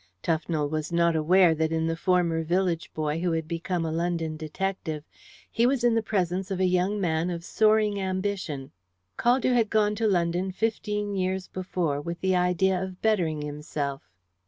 Tufnell was not aware that in the former village boy who had become a London detective he was in the presence of a young man of soaring ambition. Caldew had gone to London fifteen years before with the idea of bettering himself.